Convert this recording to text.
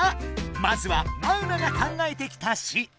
まずはマウナが考えてきた詞。